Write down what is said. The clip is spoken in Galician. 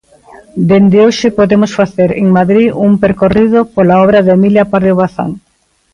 Dende hoxe podemos facer en Madrid un percorrido pola obra de Emilia Pardo Bazán.